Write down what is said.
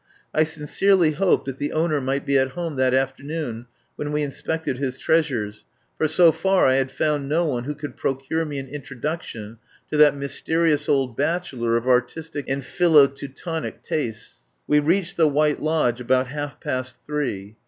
I sincerely hoped that the owner might be at home that afternoon when we inspected his treasures, for so far I had found no one who could procure me an introduction to that mys terious old bachelor of artistic and philo Teutonic tastes. We reached the White Lodge about half past three.